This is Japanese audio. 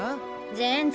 全然。